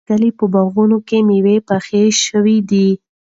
د کلي په باغونو کې مېوې پخې شوې دي.